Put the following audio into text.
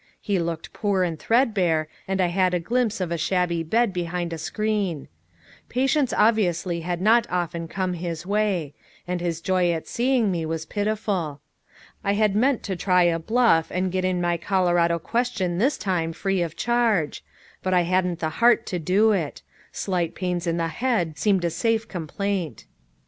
He looked poor and threadbare, and I had a glimpse of a shabby bed behind a screen. Patients obviously did not often come his way, and his joy at seeing me was pitiful. I had meant to try a bluff and get in my Colorado question this time free of charge; but I hadn't the heart to do it. Slight pains in the head seemed a safe complaint.